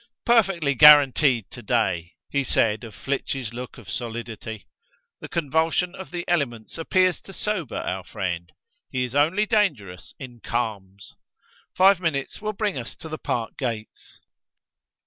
"Perfectly guaranteed to day!" he said of Flitch's look of solidity. "The convulsion of the elements appears to sober our friend; he is only dangerous in calms. Five minutes will bring us to the park gates."